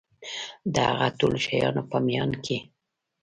د هغه ټولو شیانو په میان کي